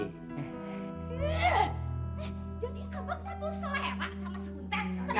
eh jadi kamu satu selewa sama sekuntet